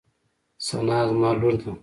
ثنا زما لور ده.